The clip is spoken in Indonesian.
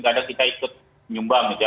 kadang kita ikut menyumbang gitu ya